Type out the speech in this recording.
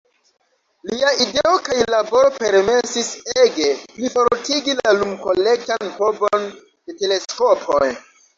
Lia ideo kaj laboro permesis ege plifortigi la lum-kolektan povon de teleskopoj.